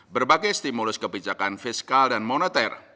berbagai stimulus kebijakan fiskal dan moneter